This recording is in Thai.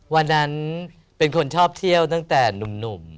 วันนั้นเป็นคนชอบเที่ยวตั้งแต่หนุ่ม